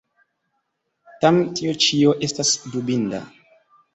Tam tio ĉio estas dubinda.